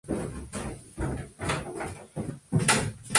El consejo condena a muerte a ambos.